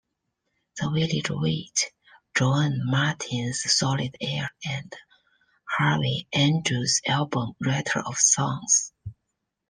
The Village Wait", John Martyn's "Solid Air" and Harvey Andrews' album "Writer of Songs".